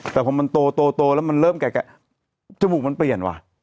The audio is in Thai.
แต่พอมันโตแล้วมันเริ่มแก่จมูกมันเปลี่ยนว่ะ